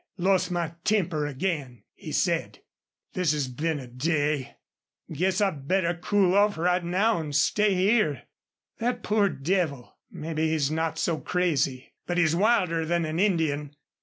"Lost my temper again!" he said. "This has been a day. Guess I'd better cool off right now an' stay here.... That poor devil! Maybe he's not so crazy. But he's wilder than an Indian.